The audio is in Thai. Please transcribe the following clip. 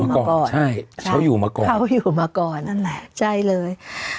เขาอยู่มาก่อนใช่เขาอยู่มาก่อนนั่นแหละใช่เลย